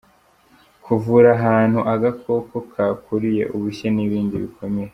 Kuvura ahantu agakoko kakuriye, ubushye n’ibindi bikomere.